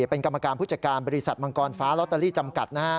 เป็นกรรมการผู้จัดการบริษัทมังกรฟ้าลอตเตอรี่จำกัด